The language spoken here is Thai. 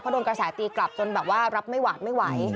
โดนกระแสตีกลับจนแบบว่ารับไม่หวาดไม่ไหว